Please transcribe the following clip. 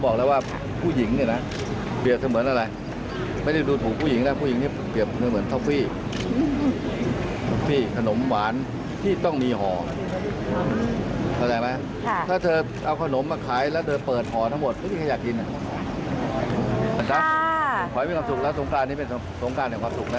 ขอให้มีความสุขและสงครานนี้เป็นสงครานของความสุขนะ